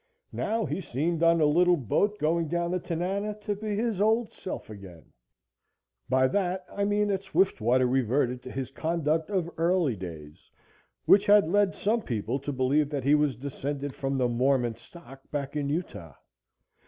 Now, he seemed on the little boat going down the Tanana to be his old self again by that I mean that Swiftwater reverted to his conduct of early days, which had lead some people to believe that he was descended from the Mormon stock back in Utah.